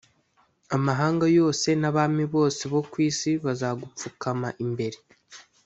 amahanga yose nabami bose bo kwisi bazagupfukama imbere